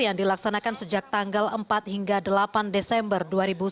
yang dilaksanakan sejak tanggal empat hingga delapan desember dua ribu sembilan belas